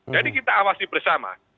jadi kita awasi bersama